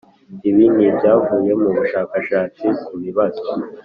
Ibi ni ibyavuye mu bushakashatsi ku bibazo